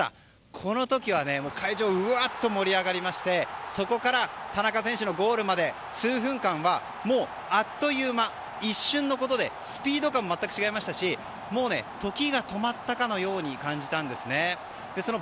この時は会場は盛り上がりましてそこから田中選手のゴールまで数分間はあっという間、一瞬のことでスピード感も全く違いましたし時が止まったかのように感じたんですね。